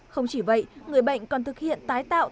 không chỉ vậy người bệnh còn thực hiện tái tạo